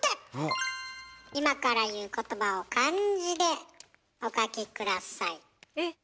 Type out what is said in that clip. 今から言う言葉を漢字でお書き下さい。